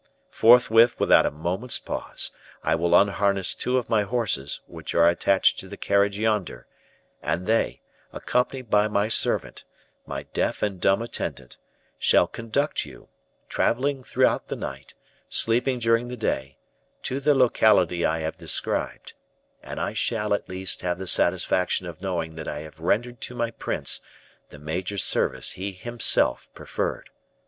Forthwith, without a moment's pause, I will unharness two of my horses, which are attached to the carriage yonder, and they, accompanied by my servant my deaf and dumb attendant shall conduct you traveling throughout the night, sleeping during the day to the locality I have described; and I shall, at least, have the satisfaction of knowing that I have rendered to my prince the major service he himself preferred.